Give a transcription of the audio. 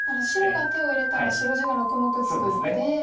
白が手を入れたら白地が６目つくので。